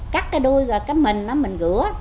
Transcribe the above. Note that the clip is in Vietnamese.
cắt cái đuôi rồi cái mình đó mình rửa